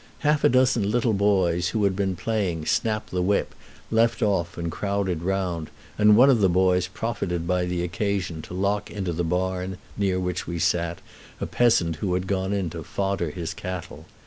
Half a dozen little people who had been playing "snap the whip" left off and crowded round, and one of the boys profited by the occasion to lock into the barn, near which we sat, a peasant who had gone in to fodder his cattle.